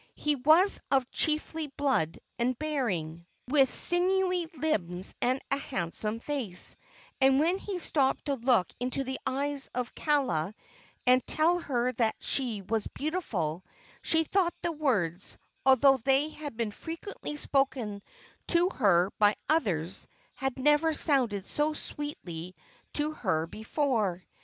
He was of chiefly blood and bearing, with sinewy limbs and a handsome face, and when he stopped to look into the eyes of Kaala and tell her that she was beautiful, she thought the words, although they had been frequently spoken to her by others, had never sounded so sweetly to her before.